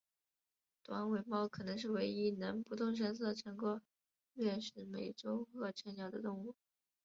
短尾猫可能是唯一能不动声色成功掠食美洲鹤成鸟的动物。